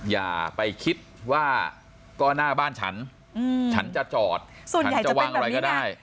อย่าไปคิดว่าก็หน้าบ้านฉันฉันจะจอดส่วนใหญ่จะเป็นแบบนี้ก็ได้